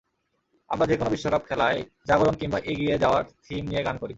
আমরা যেকোনো বিশ্বকাপ খেলায় জাগরণ কিংবা এগিয়ে যাওয়ার থিম নিয়ে গান করি।